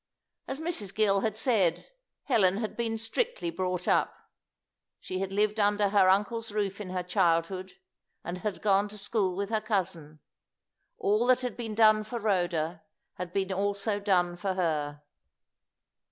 As Mrs. Gill had said, Helen had been strictly brought up. She had lived under her uncle's roof in her childhood, and had gone to school with her cousin. All that had been done for Rhoda had been also done for her.